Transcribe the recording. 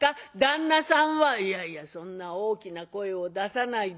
「いやいやそんな大きな声を出さないで。